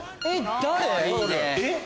誰。